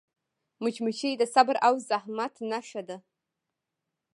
مچمچۍ د صبر او زحمت نښه ده